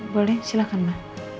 boleh silahkan ma